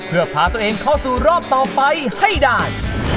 เพื่อพาตัวเองเข้าสู่รอบต่อไปให้ได้